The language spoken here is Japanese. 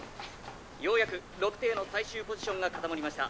ようやく６艇の最終ポジションが固まりました。